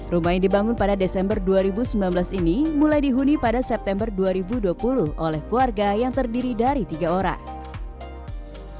rumah yang dibangun pada desember dua ribu sembilan belas ini mulai dihuni pada september dua ribu dua puluh oleh keluarga yang terdiri dari tiga orang